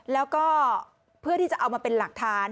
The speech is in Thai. แล้วก็เพื่อที่จะเอามาเป็นหลักฐาน